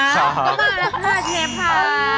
ก็มาแล้วค่ะเชฟค่ะ